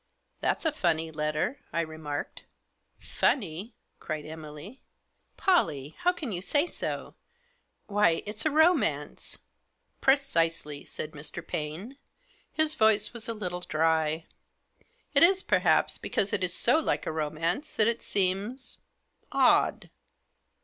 " That's a funny letter," I remarked. " Funny !" cried Emily. " Pollie, how can you say so ? Why, it's a romance." "Precisely," said Mr. Paine. His voice was a little dry. "It is, perhaps, because it is so like a romance that it seems — odd."